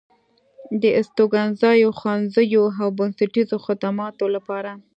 د استوګنځايو، ښوونځيو او د بنسټيزو خدماتو لپاره